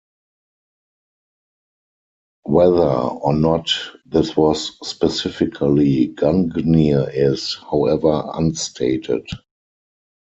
Whether or not this was specifically Gungnir is, however, unstated.